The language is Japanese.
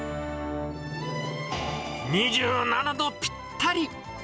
２７度ぴったり。